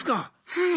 はい。